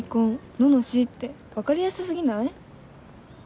「ののし」って分かりやす過ぎない？